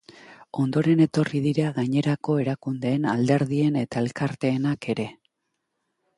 Ondoren etorri dira gainerako erakundeen, alderdien eta elkarteenak ere.